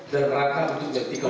dan mereka untuk menjadikan